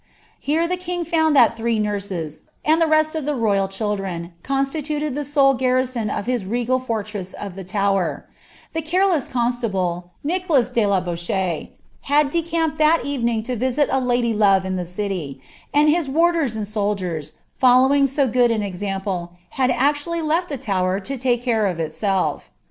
Here the king found that three nurses, and the rest of the ro3ral children, constituted the sole garrison of his regal fortress of the Tower; the careless constable, Nicholas de la Beche, had decamped that evening to visit a lady love in the city, and his warders and soldiers, following so good an example, had actually left the Tower to take care of itself.